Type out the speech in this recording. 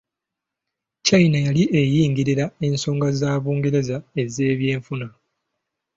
China yali eyingirira ensonga za Bungereza ez'ebyenfuna.